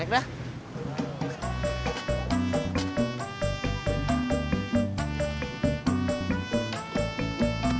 beruntungnya punya aku datang